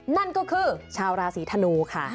นั่นก็คือชาวราศีธนูค่ะ